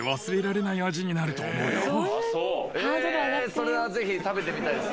それはぜひ食べてみたいです